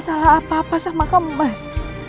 tidak ada salah apa apa sama kamu mas